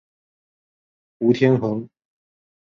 吴天垣。